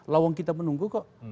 lawang kita menunggu kok